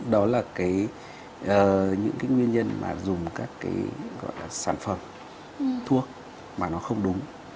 đó là những cái nguyên nhân mà dùng các cái gọi là sản phẩm thuốc mà nó không đúng